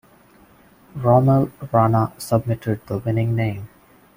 Rommel Rana submitted the winning name.